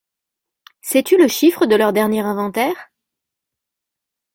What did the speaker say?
Sais-tu le chiffre de leur dernier inventaire ?